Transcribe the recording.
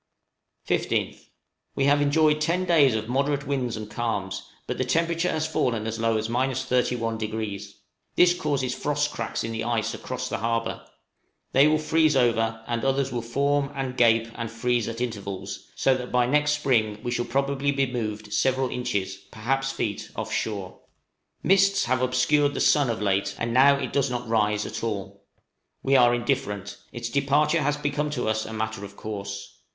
15th. We have enjoyed ten days of moderate winds and calms, but the temperature has fallen as low as 31°. This causes frost cracks in the ice across the harbor; they will freeze over, and others will form, and gape, and freeze at intervals, so that by next spring we shall probably be moved several inches, perhaps feet, off shore. Mists have obscured the sun of late, and now it does not rise at all. We are indifferent; its departure has become to us a matter of course.